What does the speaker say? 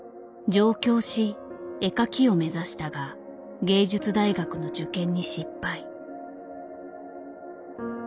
上京し絵描きを目指したが芸術大学の受験に失敗。